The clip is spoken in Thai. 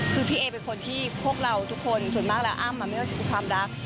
คือพี่เอเป็นคนที่พวกเราทุกคนส่วนมากแล้วอ้ำไม่ว่าจะคือความรัก